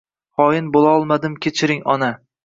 Hoin bulolmadimkechiring ona